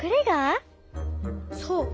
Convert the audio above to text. そう。